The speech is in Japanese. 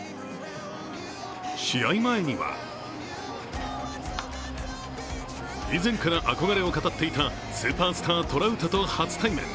試合前には以前から憧れを語っていたスーパースター・トラウトと初対面。